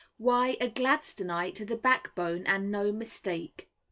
_ Why a Gladstonite to the backbone, and no mistake.